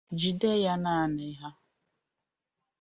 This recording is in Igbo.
jide ya naanị ha